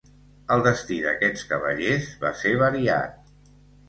El destí d'aquests cavallers va ser variat.